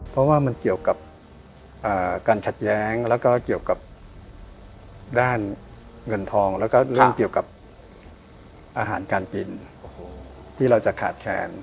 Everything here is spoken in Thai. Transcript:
เพราะว่ามันเกี่ยวกับการขัดแย้งแล้วก็เกี่ยวกับด้านเงินทองแล้วก็เรื่องเกี่ยวกับอาหารการกินที่เราจะขาดแคลน